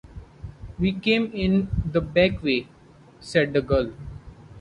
"We came in the back way," said the girl.